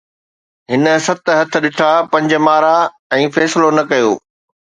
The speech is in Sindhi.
هن ست هٽ ڏنا، پنج مارا ۽ فيصلو نه ڪيو